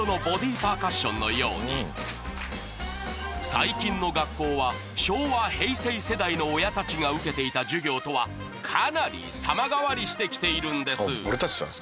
最近の学校は昭和・平成世代の親たちが受けていた授業とはかなり様変わりしてきているんです。